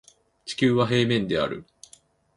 地球は平面である